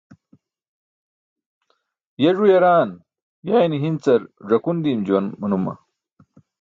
Ye ẓu yaraan yayne hincar ẓakun diim juwan manuma.